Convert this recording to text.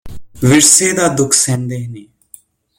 ਵਿਰਸੇ ਦਾ ਦੁੱਖ ਸਹਿੰਦੇ ਨੇ